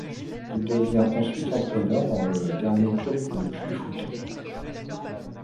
Il devient ensuite entraîneur de son dernier club Le Puy Foot.